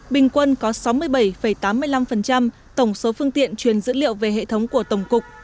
bình quân có sáu mươi bảy tám mươi năm tổng số phương tiện truyền dữ liệu về hệ thống của tổng cục